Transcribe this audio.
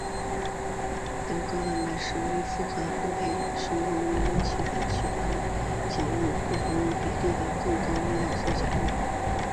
但高蛋白食物与富含脂肪的烘培食物引起与其血糖响应不成比例的的更高的胰岛素响应。